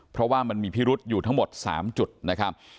เพราะว่ามันมีพิรุษอยู่ทั้งหมด๓จุดนะครับ